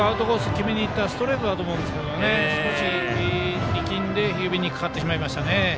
決めにいったストレートだと思うんですが少し力んで指にかかってしまいましたね。